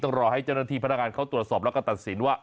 รอให้เจ้าหน้าที่พนักงานเขาตรวจสอบแล้วก็ตัดสินว่า